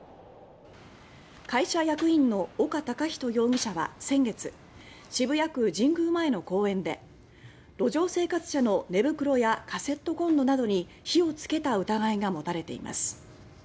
会社役員の岡孝人容疑者は先月渋谷区神宮前の公園で路上生活者の寝袋やカセットコンロなどに火をつけた疑いが持たれています。